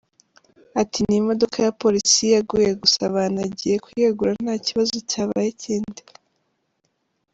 Ati “Ni imodoka ya polisi yaguye gusa banagiye kuyegura nta kibazo cyabaye kindi.